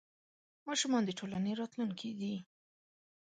ماشومان د ټولنې راتلونکې دي.